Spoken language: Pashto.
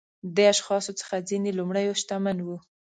دې اشخاصو څخه ځینې لومړيو شتمن وو.